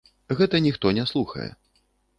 Гэта ніхто не слухае.